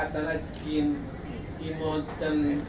terima kasih dut maulid atik